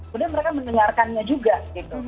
kemudian mereka menunjarkannya juga